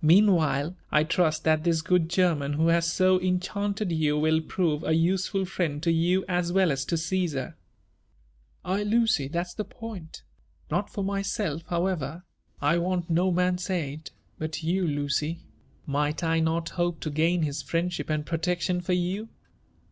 Meanwhile, I trust that this good German who has so enchanted you will prove a useful friend to you as well as to Csesar." *' Ay, Lucy, that's the point. Not for myself, however ;— I want JONATHAN JEFFERSON Wfltf LAW. lU no man's aid :<^but you, Lucy; — might I not hope to gain his friend^ ship and protection for you?"